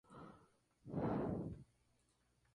Habita en dunas de arena cubiertas de matorral.